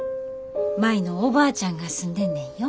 舞のおばあちゃんが住んでんねんよ。